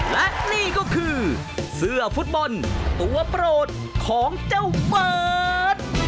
และนี่ก็คือเสื้อฟุตบอลตัวโปรดของเจ้าเบิร์ต